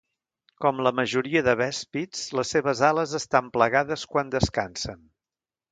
Com la majoria de vèspids les seves ales estan plegades quan descansen.